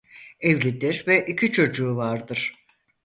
Evlidir ve iki çocuğu vardır.